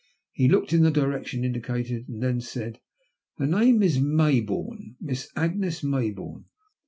He looked in the direction indicated, and then said :" Her name is May bourne — Miss Agnes May bourne.